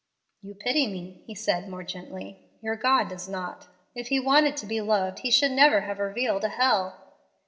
"You pity me," he said, more gently. "Your God does not. If He wanted to be loved He should never have revealed a hell."